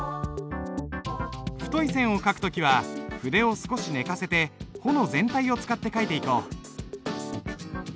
太い線を書く時は筆を少し寝かせて穂の全体を使って書いていこう。